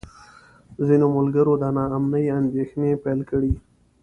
ځینو ملګرو د نا امنۍ اندېښنې پیل کړې.